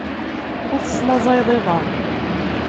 Ur teslaẓayeḍ iḍan.